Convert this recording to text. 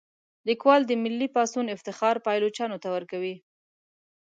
لیکوال د ملي پاڅون افتخار پایلوچانو ته ورکوي.